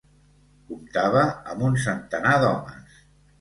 Comptava amb un centenar d'homes.